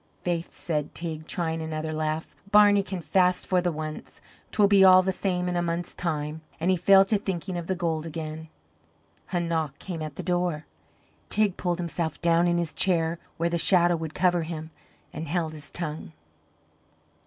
"Faith," said Teig, trying another laugh, "Barney can fast for the once; 'twill be all the same in a month's time." And he fell to thinking of the gold again. A knock came at the door. Teig pulled himself down in his chair where the shadow would cover him, and held his tongue.